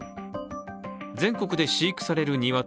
全国で飼育される鶏